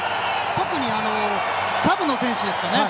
特に、サブの選手ですかね。